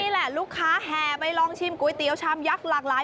แหละลูกค้าแห่ไปลองชิมก๋วยเตี๋ยวชามยักษ์หลากหลาย